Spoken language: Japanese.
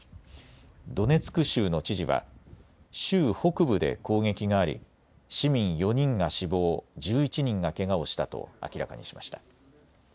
ドネツク州の知事は州北部で攻撃があり市民４人が死亡、１１人がけがをしたと明らかにしました。